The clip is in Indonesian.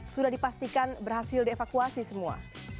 sudah dipastikan berhasil dievakuasi semua